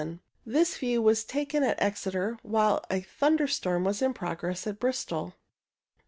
This view was taken at Exeter while a thunderstorm was in progress at Bristol.